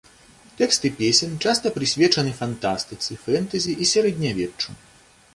Тэксты песен часта прысвечаны фантастыцы, фэнтэзі і сярэднявеччу.